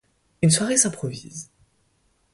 Une soirée s'improvise.